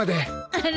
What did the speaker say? あら。